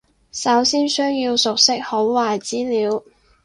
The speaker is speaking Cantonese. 首先需要熟悉好壞資料